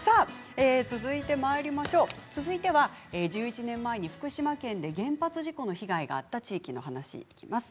続いては１１年前福島県で原発事故の被害があった地域の話です。